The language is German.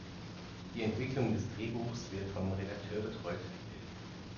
Die Entwicklung des Drehbuchs wird vom Redakteur betreut.